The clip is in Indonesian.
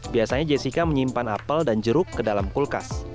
biasanya jessica menyimpan apel dan jeruk ke dalam kulkas